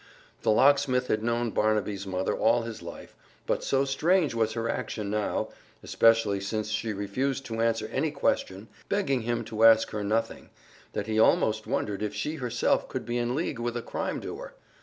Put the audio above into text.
The locksmith had known Barnaby's mother all his life, but so strange was her action now (especially since she refused to answer any question, begging him to ask her nothing) that he almost wondered if she herself could be in league with a crime doer.